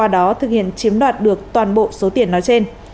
đăng nhập được toàn bộ số tiền nói trên